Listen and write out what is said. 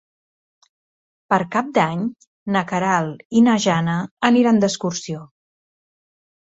Per Cap d'Any na Queralt i na Jana aniran d'excursió.